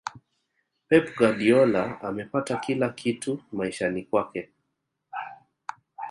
pep guardiola amepata kila kitu maishani mwake